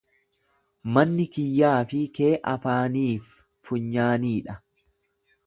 Manni kiyyaafi kee afaaniif funyaanii dha.